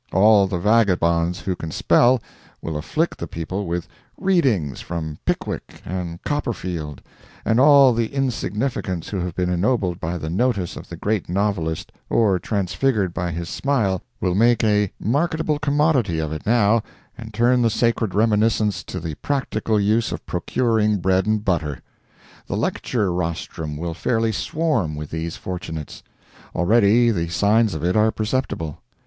All the vagabonds who can spell will afflict the people with "readings" from Pickwick and Copperfield, and all the insignificants who have been ennobled by the notice of the great novelist or transfigured by his smile will make a marketable commodity of it now, and turn the sacred reminiscence to the practical use of procuring bread and butter. The lecture rostrums will fairly swarm with these fortunates. Already the signs of it are perceptible.